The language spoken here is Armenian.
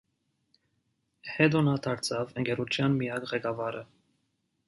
Հետո նա դարձավ ընկերության միակ ղեկավարը։